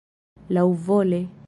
laŭvole